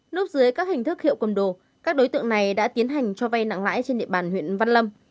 núp dưới các hình thức hiệu cầm đồ các đối tượng này đã tiến hành cho vay nặng lãi trên địa bàn huyện văn lâm